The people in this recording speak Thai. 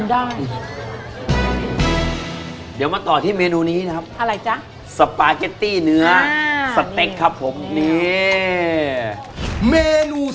เดี๋ยวแม่จะกินให้ดู